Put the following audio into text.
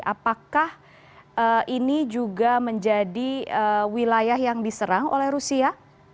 apakah ini juga menjadi wilayah yang diserang oleh rusia